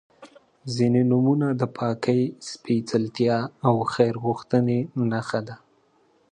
• ځینې نومونه د پاکۍ، سپېڅلتیا او خیر غوښتنې نښه ده.